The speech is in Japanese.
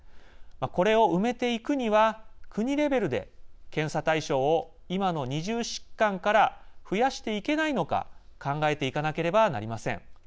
これを埋めていくには国レベルで、検査対象を今の２０疾患から増やしていけないのか考えていかなければなりません。